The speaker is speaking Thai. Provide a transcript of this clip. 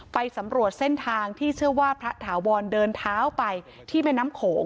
ไปสำรวจเส้นทางที่เชื่อว่าพระถาวรเดินเท้าไปที่แม่น้ำโขง